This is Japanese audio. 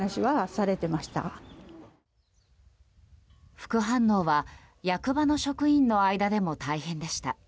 副反応は役場の職員の間でも大変でした。